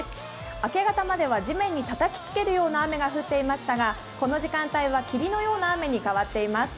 明け方までは地面にたたきつけるような雨が降っていましたがこの時間帯は霧のような雨に変わっています。